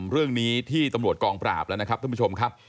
เรื่องนี้ที่ตำรวจกองปราบแล้วนะครับท่านผู้ชมครับ